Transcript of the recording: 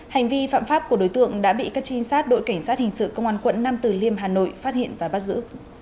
hành vi phạm pháp của đối tượng đã bị các trinh sát đội cảnh sát hình sự công an quận nam từ liêm hà nội phát hiện và bắt giữ